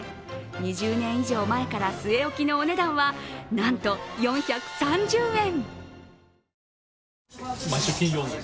２０年以上前から据え置きのお値段は、なんと４３０円！